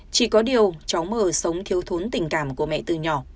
chỉ có điều cháu mờ sống thiếu thốn tình cảm của mẹ từ nhỏ